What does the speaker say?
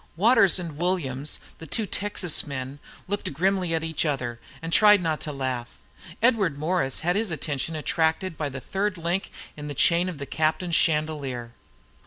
Waters and Williams, the two Texas men, looked grimly at each other and tried not to laugh. Edward Morris had his attention attracted by the third link in the chain of the captain's chandelier.